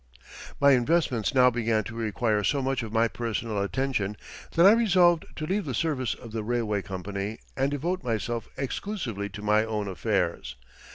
My investments now began to require so much of my personal attention that I resolved to leave the service of the railway company and devote myself exclusively to my own affairs.